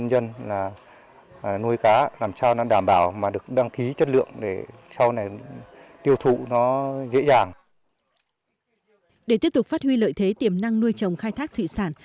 để tiếp tục phát huy lợi thế tiềm năng nuôi trồng khai thác thủy sản